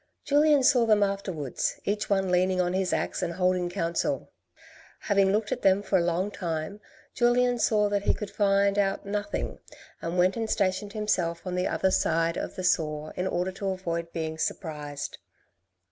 Julien saw them afterwards, each one leaning on his axe and holding counsel. Having looked at them for a long time, Julien saw that he could find out nothing, and went and stationed himself on the other side of the saw in order to avoid being surprised.